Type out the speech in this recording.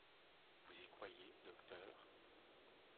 Vous y croyez, docteur?